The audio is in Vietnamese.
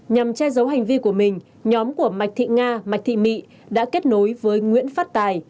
nhằm che giấu hành vi của mình nhóm của mạch thị nga mạch thị mị đã kết nối với nguyễn phát tài